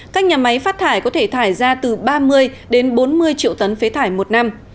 các nhà máy phát thải có thể thải ra từ ba mươi đến bốn mươi triệu tấn phế thải một năm